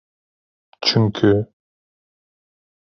Çünkü...